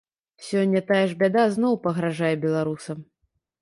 Сёння тая ж бяда зноў пагражае беларусам.